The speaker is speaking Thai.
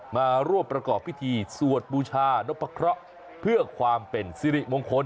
มาร่วมประกอบพิธีสวดบูชานพะเคราะห์เพื่อความเป็นสิริมงคล